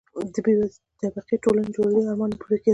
د بې طبقې ټولنې جوړېدو آرمان نه پوره کېده.